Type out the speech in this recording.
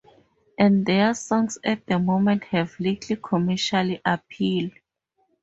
And their songs at the moment have little commercial appeal.